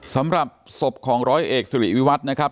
สำหรับศพของร้อยเอกสุริวิวัตรนะครับ